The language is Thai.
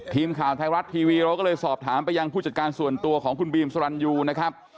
ทีมข่าวไทยรัฐทีวีเราก็เลยสอบถามไปยังผู้จัดการส่วนตัวของคุณบีมสรรยูนะครับ